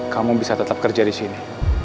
kamu bisa tetap kerja di sini